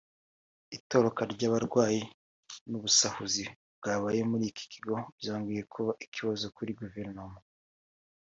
itoroka ry’abarwayi n’ubusahuzi bwabaye muri iki kigo byongeye kuba ikibazo kuri Guverinoma